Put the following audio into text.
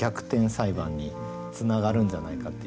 裁判につながるんじゃないかっていうような。